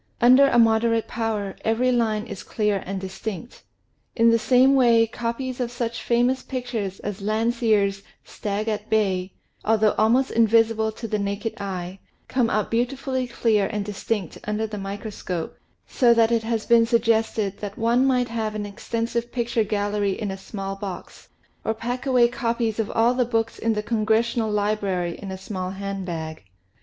Under a moder ate power every line is clear and distinct. In the same way copies of such famous pictures as Landseer's " Stag at Bay," although almost invisible to the naked eye, come out beautifully clear and distinct under the microscope, so that it has been suggested that one might have an exten sive picture gallery in a small box, or pack away copies of all the books in the Congressional Library in a small hand bag.